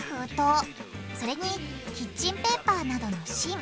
それにキッチンペーパーなどの芯。